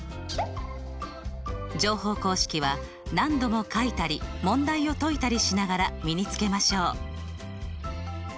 乗法公式は何度も書いたり問題を解いたりしながら身につけましょう。